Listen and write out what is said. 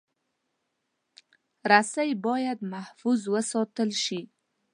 رسۍ باید محفوظ وساتل شي.